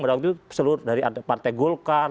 pada waktu itu seluruh dari partai golkar